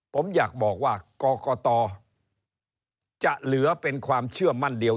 ผมอยากบอกว่ากรกตจะเหลือเป็นความเชื่อมั่นเดียว